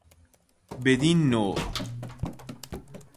بدین نوع